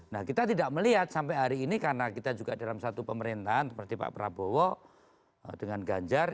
nah kita tidak melihat sampai hari ini karena kita juga dalam satu pemerintahan seperti pak prabowo dengan ganjar